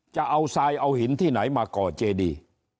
จะเอาทรายเอาหินที่ไหนมาก่อเจดี